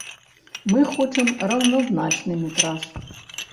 Мы хочам раўназначны метраж.